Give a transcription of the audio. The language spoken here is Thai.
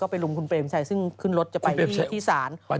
ไปลุมคุณเปรมชัยซึ่งขึ้นรถจะไปที่ศาล